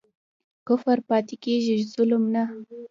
کفر پاتی کیږي ظلم نه